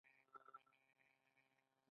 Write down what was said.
هغوی د سړک پر غاړه د پاک کتاب ننداره وکړه.